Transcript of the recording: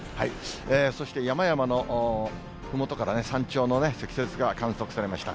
そして山々のふもとからね、山頂のね、積雪が観測されました。